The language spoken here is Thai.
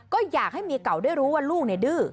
ก็อยากให้เมียเก่าได้รู้ว่าลูกดื้อ